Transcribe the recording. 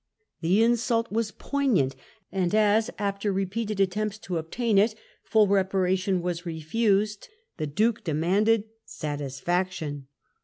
The insult was poig nant, and as, after repeated attempts to obtain it, full reparation was refused, the Duke demanded "satis faction."